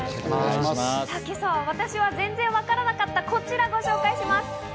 今朝は、私は全然わからなかったこちらをご紹介します。